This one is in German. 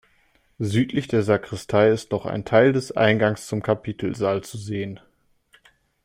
Südlich der Sakristei ist noch ein Teil des Eingangs zum Kapitelsaal zu sehen.